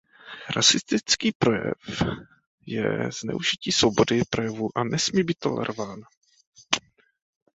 Rasistický projev je zneužití svobody projevu a nesmí být tolerován.